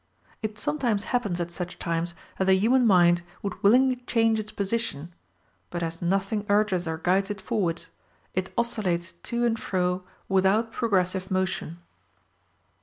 It sometimes happens at such times that the human mind would willingly change its position; but as nothing urges or guides it forwards, it oscillates to and fro without progressive motion.